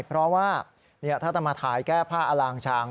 เพราะว่าถ้าจะมาถ่ายแก้ผ้าอลางชาง